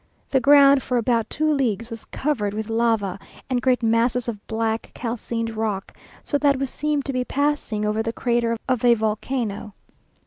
The ground for about two leagues was covered with lava, and great masses of black calcined rock, so that we seemed to be passing over the crater of a volcano.